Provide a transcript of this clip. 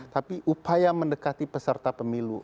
tapi upaya mendekati peserta pemilu